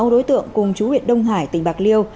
sáu đối tượng cùng chú huyện đông hải tỉnh bạc liêu